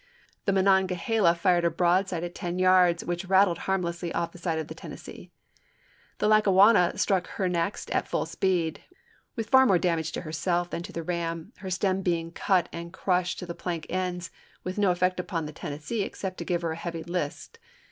The Monongaliela fired a broadside at ten Aug. 5, 1864. yards, which rattled harmlessly off the side of the Tennessee. The Lackaivanna struck her next at full speed, with far more damage to herself than to the ram, her stem being cut and crushed to the plank ends, with no effect upon the Tennessee ex cept to give her a heavy list.